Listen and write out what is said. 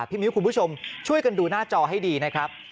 มิ้วคุณผู้ชมช่วยกันดูหน้าจอให้ดีนะครับ